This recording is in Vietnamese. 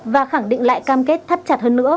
và khẳng định lại cam kết thắt chặt hơn nữa